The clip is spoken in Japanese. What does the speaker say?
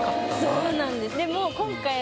そうなんです。